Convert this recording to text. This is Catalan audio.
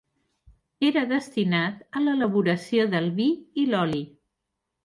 Era destinat a l'elaboració del vi i l'oli.